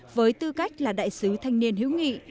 với tư cách là đại sứ thanh niên hiếu nghị